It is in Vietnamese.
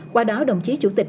qua đó đồng chí chủ tịch